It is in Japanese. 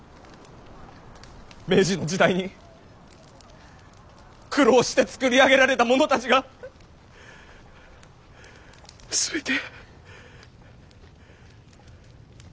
明治の時代に苦労して作り上げられたものたちが全て。